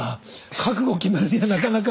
覚悟決めるにはなかなか。